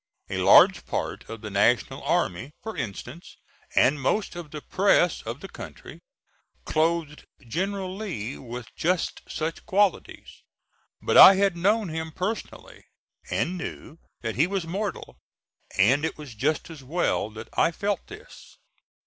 A large part of the National army, for instance, and most of the press of the country, clothed General Lee with just such qualities, but I had known him personally, and knew that he was mortal; and it was just as well that I felt this.